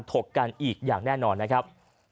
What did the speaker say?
ถกกันอีกอย่างแน่นอนนะครับ